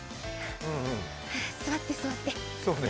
座って座って。